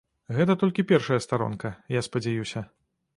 Гэта толькі першая старонка, я спадзяюся.